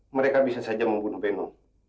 mereka bisa saja membunuh beno